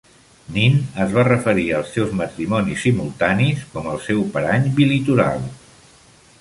Nin es va referir als seus matrimonis simultanis com el seu "parany bilitoral".